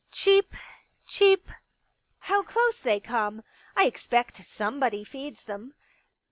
Cheep. Cheep. How close they come. I expect somebody feeds them.